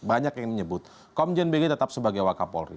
banyak yang menyebut komjen bg tetap sebagai wakapolri